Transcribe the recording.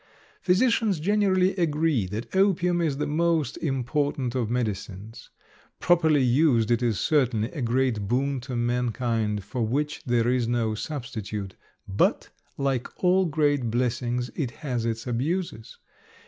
Physicians generally agree that opium is the most important of medicines. Properly used it is certainly a great boon to mankind, for which there is no substitute, but, like all great blessings, it has its abuses.